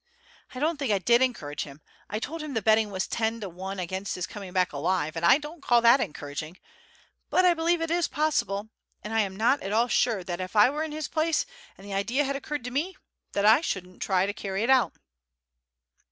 "I don't think I did encourage him. I told him the betting was ten to one against his coming back alive, and I don't call that encouraging; but I believe it is possible, and I am not at all sure that if I were in his place, and the idea had occurred to me, that I shouldn't try to carry it out."